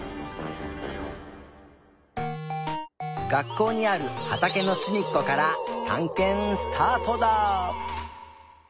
学校にあるはたけのすみっこからたんけんスタートだ！